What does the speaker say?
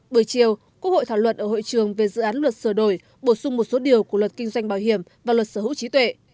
bữa chiều quốc hội thảo luận ở hội trường về dự án luật sửa đổi bổ sung một số điều của luật kinh doanh bảo hiểm và luật sở hữu trí tuệ